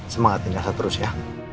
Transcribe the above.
semangatin elsa terus ya